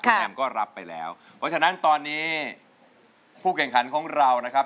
คุณแอมก็รับไปแล้วเพราะฉะนั้นตอนนี้ผู้แข่งขันของเรานะครับ